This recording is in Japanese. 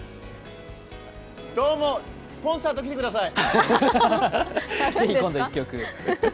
どうも、コンサート来てください。